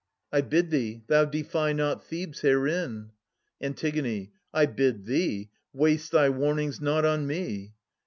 I bid thee, thou defy not Thebes herein ! Antigonb. I bid thee, waste thy warnings not on me.